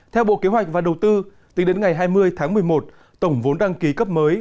theo bộ kế hoạch và đầu tư tính đến ngày hai mươi tháng một mươi một tổng vốn đăng ký cấp mới